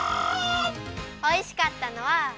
おいしかったのは。